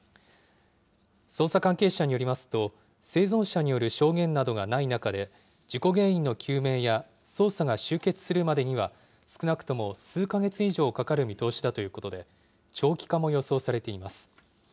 捜査関係者によりますと、生存者による証言などがない中で、事故原因の究明や、捜査が終結するまでには、少なくとも数か月以上かかる見通しだということで、長期化も予想されています。